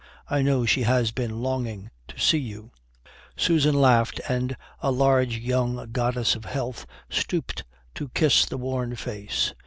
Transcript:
I know she has been longing to see you." Susan laughed and, a large young goddess of health, stooped to kiss the worn face.